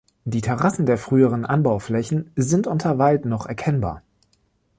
Die Terrassen der früheren Anbauflächen sind unter Wald noch erkennbar.